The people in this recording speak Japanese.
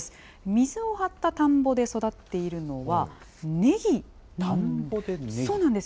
水を張った田んぼで育っているのは、ネギなんです。